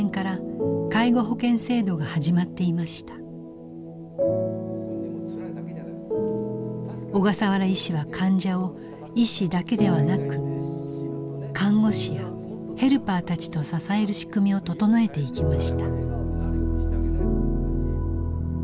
折しも小笠原医師は患者を医師だけではなく看護師やヘルパーたちと支える仕組みを整えていきました。